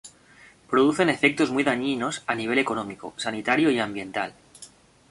Producen efectos muy dañinos a nivel económico, sanitario y ambiental.